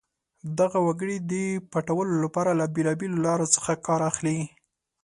دغه وګړي د پټولو لپاره له بېلابېلو لارو څخه کار اخلي.